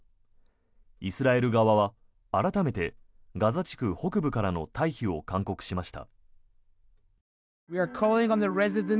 イスラエル側は改めてガザ地区北部からの退避を勧告しました。